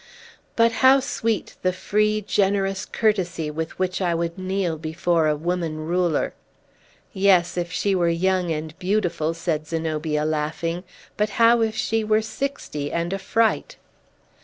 But how sweet the free, generous courtesy with which I would kneel before a woman ruler!" "Yes, if she were young and beautiful," said Zenobia, laughing. "But how if she were sixty, and a fright?"